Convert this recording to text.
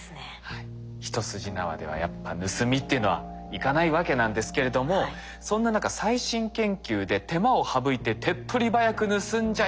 一筋縄ではやっぱ盗みっていうのはいかないわけなんですけれどもそんな中最新研究で手間を省いて手っ取り早く盗んじゃいます。